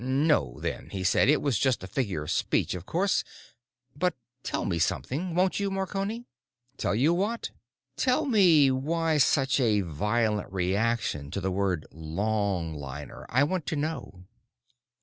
"No, then," he said. "It was just a figure of speech, of course. But tell me something, won't you, Marconi?" "Tell you what?" "Tell me why such a violent reaction to the word 'longliner.' I want to know."